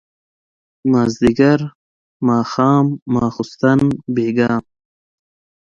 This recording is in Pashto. مازيګر ماښام ماسخوتن بېګا